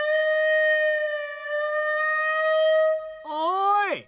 おい！